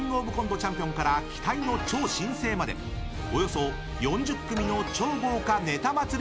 チャンピオンから期待の超新星までおよそ４０組の超豪華ネタ祭り！